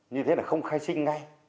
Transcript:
như thế là không khai sinh ngay